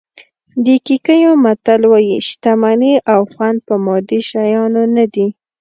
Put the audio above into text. د کیکویو متل وایي شتمني او خوند په مادي شیانو نه دي.